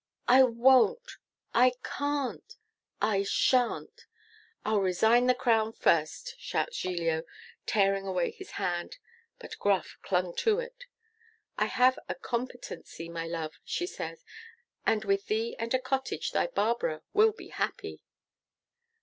'I won't, I can't, I shan't, I'll resign the crown first,' shouts Giglio, tearing away his hand; but Gruff clung to it. 'I have a competency, my love,' she says, 'and with thee and a cottage thy Barbara will be happy.